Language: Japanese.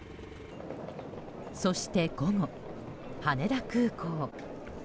そして、午後羽田空港。